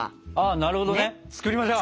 あなるほどね！作りましょう！